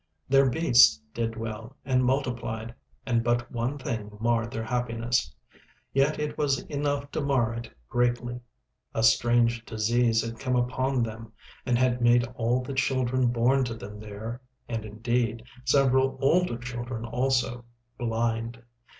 Their beasts did well and multiplied, and but one thing marred their happiness. Yet it was enough to mar it greatly. A strange disease had come upon them and had made all the children born to them there—and, indeed, several older children also—blind.